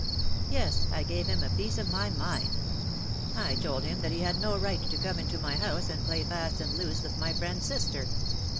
''" Yes, I gave him a piece of my mind. I told him that he had no right to come into my house and play fast and loose with my friend's sister."